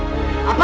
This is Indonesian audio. mas tuh makannya